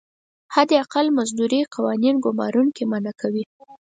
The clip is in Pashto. حداقل مزدوري قوانین ګمارونکي منعه کوي.